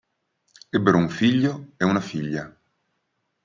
Ebbero un figlio e una figlia.